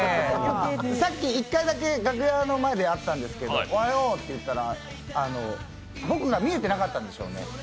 さっき１回だけ楽屋の前で会ったんでおはようって言ったら僕が見えてなかったんでしょうね